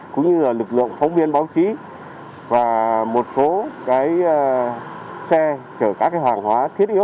cũng như lực lượng phóng viên báo chí và một số xe chở các hoàng hóa thiết yếu